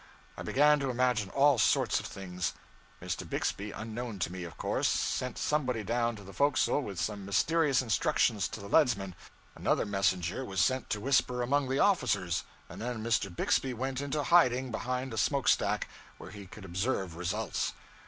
I began to imagine all sorts of things. Mr. Bixby, unknown to me, of course, sent somebody down to the forecastle with some mysterious instructions to the leadsmen, another messenger was sent to whisper among the officers, and then Mr. Bixby went into hiding behind a smoke stack where he could observe results.